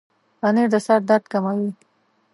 پنېر د سر درد کموي.